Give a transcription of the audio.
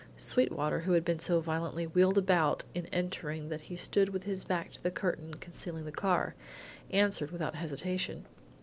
Sweetwater who had been so violently wheeled about in entering that he stood with his back to the curtain concealing the car, answered without hesitation.